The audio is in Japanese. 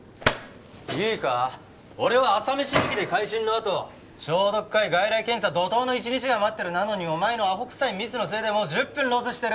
いいか俺は朝飯抜きで回診のあと抄読会外来検査怒濤の一日が待ってるなのにお前のアホくさいミスのせいでもう１０分ロスしてる！